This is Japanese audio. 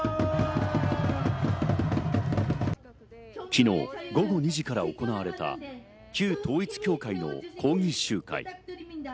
昨日午後２時から行われた旧統一教会の抗議集会。